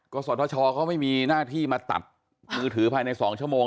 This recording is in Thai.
ศทชเขาไม่มีหน้าที่มาตัดมือถือภายใน๒ชั่วโมง